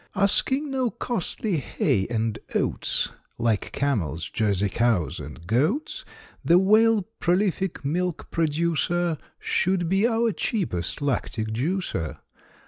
Asking no costly hay and oats, Like camels, Jersey cows, and goats, The Whale, prolific milk producer, Should be our cheapest lactic juicer.